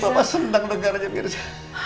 bapak senang dengarnya mirza